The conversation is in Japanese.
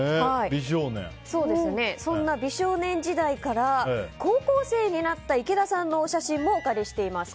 そんな美少年時代から高校生になった池田さんのお写真もお借りしています。